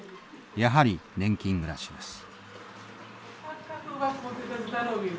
やはり年金暮らしです。